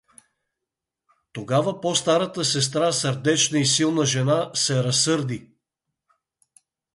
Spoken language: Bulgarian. Тогава по-старата сестра, сърдечна и силна жена, се разсърди.